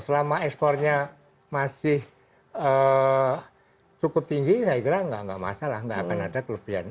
selama ekspornya masih cukup tinggi saya kira nggak masalah nggak akan ada kelebihan